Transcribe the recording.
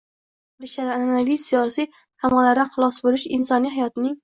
bilishadi. An’anaviy siyosiy tamg‘alardan xalos bo‘lish, insoniy hayotning